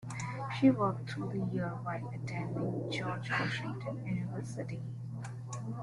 She worked through the year while attending George Washington University.